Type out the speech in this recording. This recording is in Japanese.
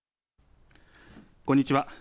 こんにちは。